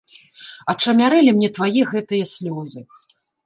Ачамярэлі мне твае гэтыя слёзы.